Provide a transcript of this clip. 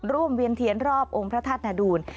เวียนเทียนรอบองค์พระธาตุนาดูล